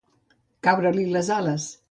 Caure-li les ales.